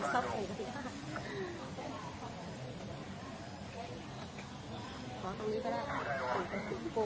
สุนคุณใหญ่มาก